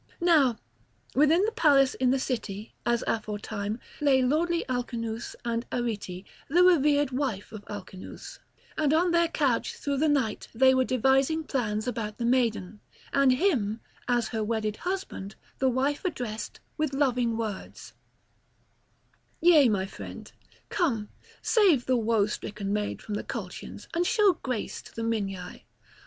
Now within the palace in the city, as aforetime, lay lordly Alcinous and Arete, the revered wife of Alcinous, and on their couch through the night they were devising plans about the maiden; and him, as her wedded husband, the wife addressed with loving words: "Yea, my friend, come, save the woe stricken maid from the Colchians and show grace to the Minyae.